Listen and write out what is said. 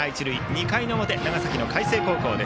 ２回の表、長崎の海星高校。